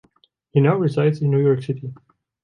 He now resides in New York City.